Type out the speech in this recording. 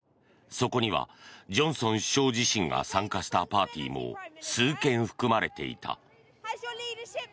そこにはジョンソン首相自身が参加したパーティーも数件含まれていた。